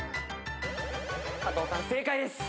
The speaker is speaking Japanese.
加藤さん正解です。